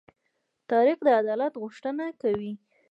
تاریخ د عدالت غوښتنه کوي.